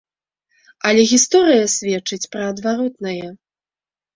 Але гісторыя сведчыць пра адваротнае.